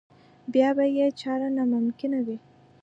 بیا به یې چاره ناممکنه وي.